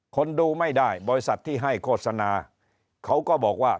คนดูไม่ได้บริษัทที่ให้โฆษณาเขาก็บอกว่า